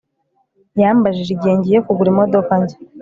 Yambajije igihe ngiye kugura imodoka nshya